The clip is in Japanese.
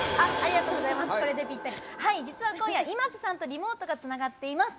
実は、今夜、ｉｍａｓｅさんとリモートがつながっています。